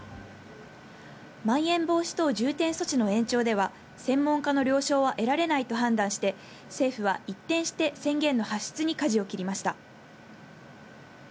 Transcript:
まん延防止等重点措置の延長では専門家の了承は得られないと判断して、政府は一転して宣言の発出に舵を切りました。